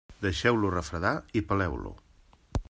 Deixeu-lo refredar i peleu-lo.